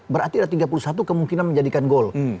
berarti ada tiga puluh satu kemungkinan menjadikan gol